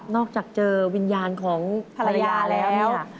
อกจากเจอวิญญาณของภรรยาแล้ว